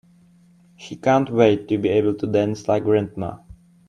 She can't wait to be able to dance like grandma!